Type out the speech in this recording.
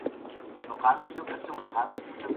آیا تاسو کله هم افغاني میلمستیا لیدلي ده؟